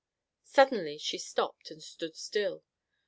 Suddenly she stopped and stood still.